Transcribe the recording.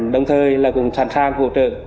đồng thời là cũng sẵn sàng hỗ trợ